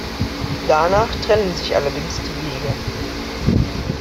Danach trennten sich allerdings die Wege.